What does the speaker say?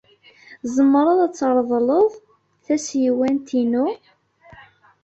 Tzemred ad treḍled tasiwant-inu.